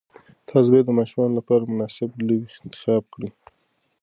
تاسي باید د ماشومانو لپاره مناسب لوبې انتخاب کړئ.